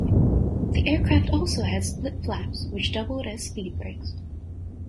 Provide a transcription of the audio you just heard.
The aircraft also had split flaps, which doubled as speed brakes.